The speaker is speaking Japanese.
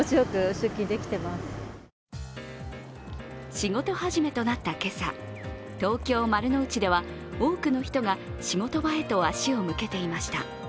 仕事始めとなった今朝東京・丸の内では多くの人が仕事場へと足を向けていました。